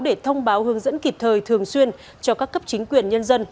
để thông báo hướng dẫn kịp thời thường xuyên cho các cấp chính quyền nhân dân